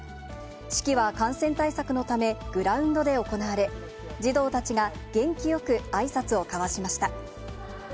式は感染対策のため、グラウンドで行われ、児童たちが元気よくあいさつを交わしました。